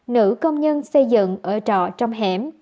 nữ công nhân xây dựng ở trọ trong hẻm